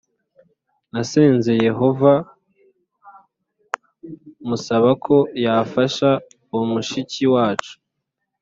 Nasenze Yehova musaba ko yafasha uwo mushiki wacu